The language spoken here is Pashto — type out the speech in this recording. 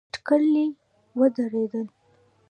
اټکلي ودرېدل.